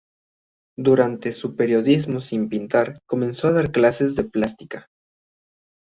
Durante su período sin pintar comenzó a dar clases de plástica.